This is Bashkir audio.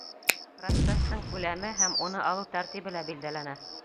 Проценттың күләме һәм уны алыу тәртибе лә билдәләнә.